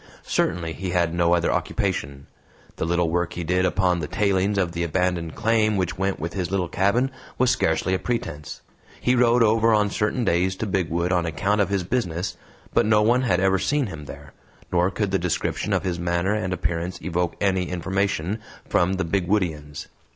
Certainly he had no other occupation; the little work he did upon the tailings of the abandoned claim which went with his little cabin was scarcely a pretense. He rode over on certain days to Bigwood on account of his business, but no one had ever seen him there, nor could the description of his manner and appearance evoke any information from the Bigwoodians.